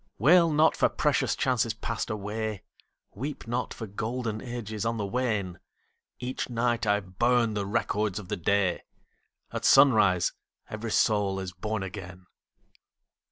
[ 27 ] Selected Poems Wail not for precious chances passed away, Weep not for golden ages on the wane ! Each night I burn the records of the day, — At sunrise every soul is born again